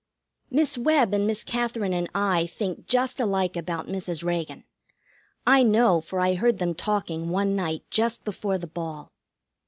Miss Webb and Miss Katherine and I think just alike about Mrs. Reagan. I know, for I heard them talking one night just before the ball.